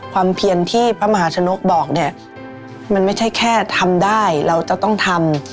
เพียรที่พระมหาชนกบอกเนี่ยมันไม่ใช่แค่ทำได้เราจะต้องทำ